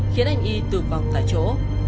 khiến anh y tự vọng tại chỗ